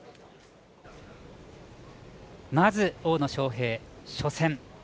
まず大野将平、初戦。